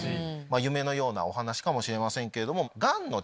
夢のようなお話かもしれませんけれども。